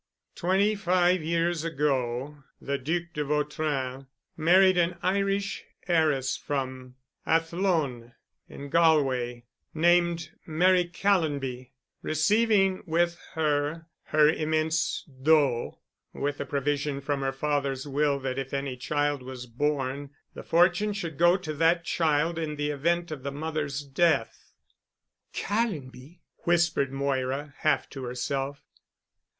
Twenty five years ago the Duc de Vautrin married an Irish heiress from Athlone in Galway named Mary Callonby, receiving with her her immense dot, with the provision from her father's will that if any child was born, the fortune should go to that child in the event of the mother's death." "Callonby!" whispered Moira half to herself.